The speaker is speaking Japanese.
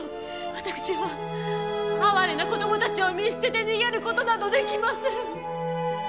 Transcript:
私は哀れな子どもたちを見捨てて逃げることなどできません。